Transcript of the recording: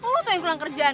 lo tuh yang pulang kerjaan